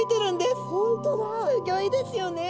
すギョいですよね。